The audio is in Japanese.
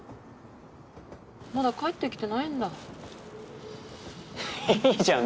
まだ帰ってきてないんだいいじゃん